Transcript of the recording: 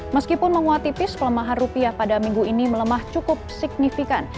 meskipun menguat tipis pelemahan rupiah pada minggu ini melemah cukup signifikan